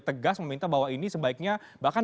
tegas meminta bahwa ini sebaiknya bahkan